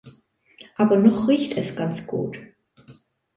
Aber noch riecht es ganz gut.